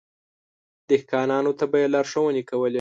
دهقانانو ته به يې لارښونې کولې.